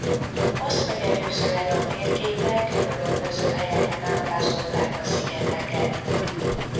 Azt megelőzően a térképek különböző helyeken ábrázolták a szigeteket.